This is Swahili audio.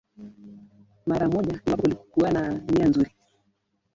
mara moja iwapo walikuwa na nia nzuri